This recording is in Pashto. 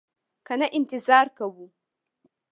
که نه انتظار کوو.